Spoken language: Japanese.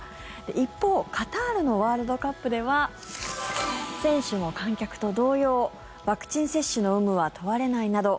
一方カタールのワールドカップでは選手も観客と同様ワクチン接種の有無は問われないなど